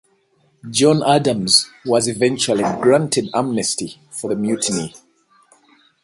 John Adams was eventually granted amnesty for the mutiny.